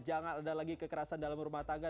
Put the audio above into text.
jangan ada lagi kekerasan dalam rumah tangga